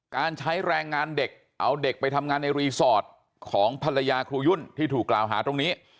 การใช้แรงงานเด็กเอาเด็กไปทำงานในรีสอร์ทของภรรยาครูยุ่นที่ถูกกล่าวหาตรงนี้